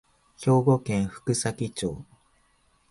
兵庫県福崎町